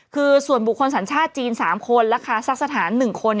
คือส่วนบุคคลสัญชาติจีน๓คนและคาซักสถาน๑คน